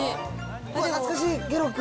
これ懐かしい、ケロッグ。